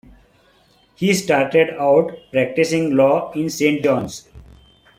He started out practising law in Saint John's.